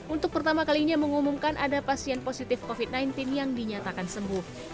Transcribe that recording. untuk pertama kalinya mengumumkan ada pasien positif covid sembilan belas yang dinyatakan sembuh